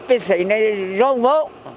thì nó sẽ rong vô